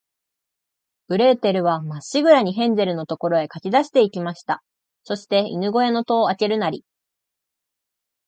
グレーテルは、まっしぐらに、ヘンゼルのいる所へかけだして行きました。そして、犬ごやの戸をあけるなり、